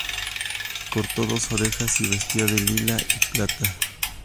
Cortó dos orejas y vestía de Lila y plata.